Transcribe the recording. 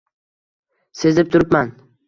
Sezib turibman.